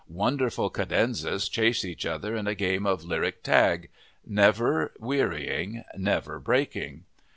Wonderful cadenzas chase each other in a game of lyric tag, never wearying, never breaking.